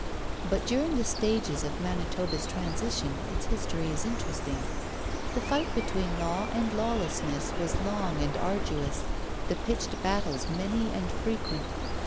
But during the stages of Manitoba's transition its history is interesting. The fight between law and lawlessness was long and arduous, the pitched battles many and frequent.